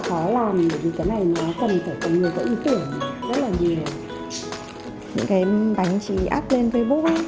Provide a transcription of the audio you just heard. khó làm những cái này nó cần phải có nhiều người tự tưởng rất là nhiều cái bánh chị áp lên facebook